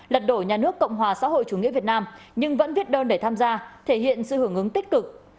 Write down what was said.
lật đổ nhà nước cộng hòa xã hội chủ nghĩa việt nam nhưng vẫn viết đơn để tham gia thể hiện sự hưởng ứng tích cực